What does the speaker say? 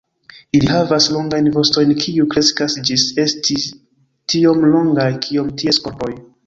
Ili havas longajn vostojn kiuj kreskas ĝis esti tiom longaj kiom ties korpoj.